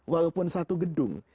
walaupun satu gedung